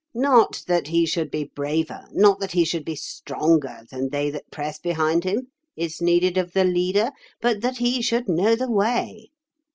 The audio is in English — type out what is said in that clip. Not that he should be braver, not that he should be stronger than they that press behind him, is needed of the leader, but that he should know the way.